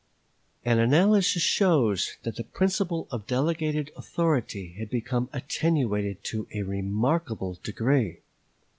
An analysis shows that the principle of delegated authority had become attenuated to a remarkable degree.